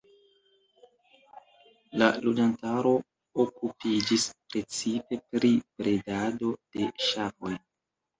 La loĝantaro okupiĝis precipe pri bredado de ŝafoj.